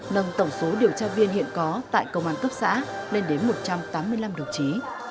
nâng tổng số điều tra viên hiện có tại công an cấp xã lên đến một trăm tám mươi năm đồng chí